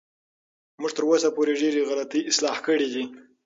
موږ تر اوسه پورې ډېرې غلطۍ اصلاح کړې دي.